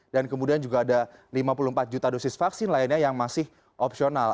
dan kemudian juga ada lima puluh empat juta dosis vaksin lainnya yang masih opsional